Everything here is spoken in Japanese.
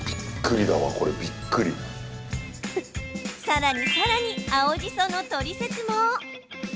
さらにさらに青じそのトリセツも！